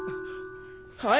はい！